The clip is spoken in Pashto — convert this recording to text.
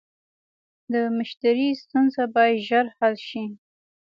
د مشتری ستونزه باید ژر حل شي.